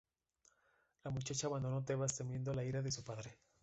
La muchacha abandonó Tebas temiendo la ira de su padre.